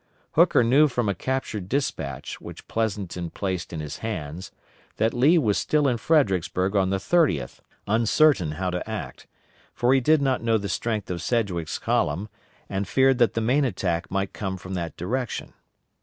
Hooker knew from a captured despatch which Pleasonton placed in his hands, that Lee was still in Fredericksburg on the 30th, uncertain how to act; for he did not know the strength of Sedgwick's column, and feared that the main attack might come from that direction.